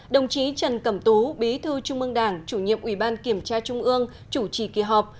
đồng chí trần cẩm tú bí thư trung ương đảng chủ nhiệm ủy ban kiểm tra trung ương chủ trì kỳ họp